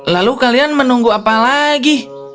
lalu kalian menunggu apalagi